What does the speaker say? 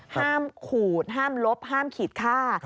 ขูดห้ามลบห้ามขีดค่า